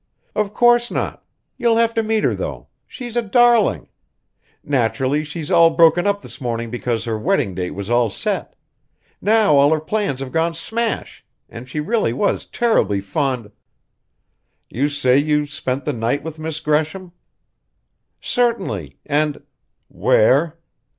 "Of course not. You'll have to meet her, though. She's a darling! Naturally, she's all broken up this morning because her wedding date was all set. Now all her plans have gone smash, and she really was terribly fond " "You say you spent the night with Miss Gresham?" "Certainly, and " "Where?"